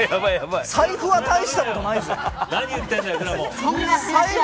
財布は大したことないぞ。